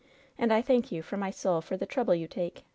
And I thank you from my soul for the trouble you take.